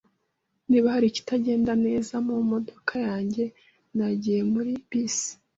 Niba hari ikitagenda neza mumodoka yanjye, nagiye muri bisi.